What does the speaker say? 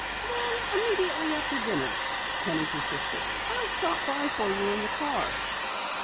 "Then, immediately after dinner," Penny persisted. "I'll stop by for you in the car."